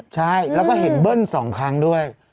ใช่แล้วก็เห็นเบิ้ล๒ครั้งด้วย